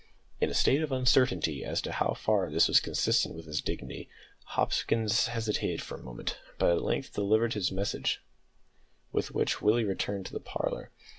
In a state of uncertainty as to how far this was consistent with his dignity, Hopkins hesitated for a moment, but at length delivered his message, with which Willie returned to the parlour.